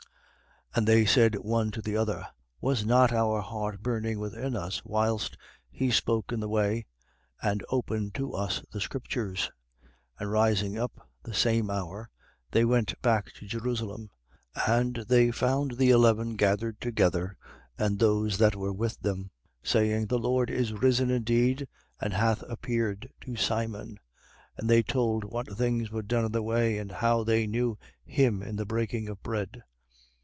24:32. And they said one to the other: Was not our heart burning within us, whilst he spoke in the way and opened to us the scriptures? 24:33. And rising up, the same hour, they went back to Jerusalem: and they found the eleven gathered together, and those that were with them, 24:34. Saying: The Lord is risen indeed and hath appeared to Simon. 24:35. And they told what things were done in the way: and how they knew him in the breaking of bread.